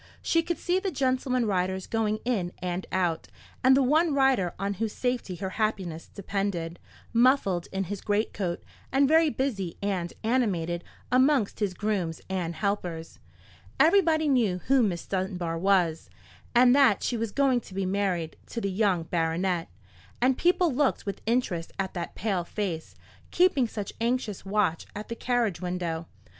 She could see the gentleman riders going in and out, and the one rider on whose safety her happiness depended, muffled in his greatcoat, and very busy and animated amongst his grooms and helpers. Everybody knew who Miss Dunbar was, and that she was going to be married to the young baronet; and people looked with interest at that pale face, keeping such anxious watch at the carriage window.